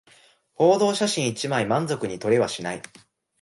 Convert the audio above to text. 報道写真一枚満足に撮れはしない